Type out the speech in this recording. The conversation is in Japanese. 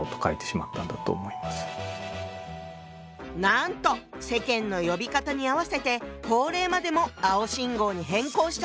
なんと世間の呼び方に合わせて法令までも「青信号」に変更したそうよ。